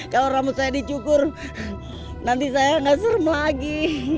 kalau ramus saya dicukur nanti saya gak serem lagi